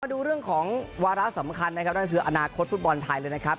ดูเรื่องของวาระสำคัญนะครับนั่นคืออนาคตฟุตบอลไทยเลยนะครับ